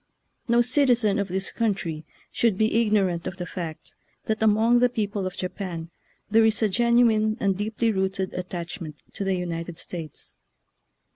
No citizen of this country should be ignorant of the fact that among the peo ple of Japan there is a genuine and deep ly rooted attachment to the United States.